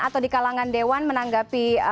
atau di kalangan dewan menanggapi